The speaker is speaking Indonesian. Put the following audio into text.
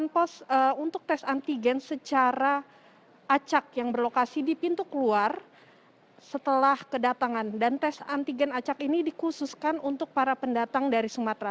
delapan pos untuk tes antigen secara acak yang berlokasi di pintu keluar